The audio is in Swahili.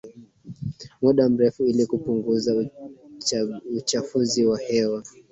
muda mrefu ili kupunguza uchafuzi wa hewa